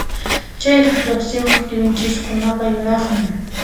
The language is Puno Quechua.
Chayraq lluqsimuq kirunchiskunaqa yuraqmi.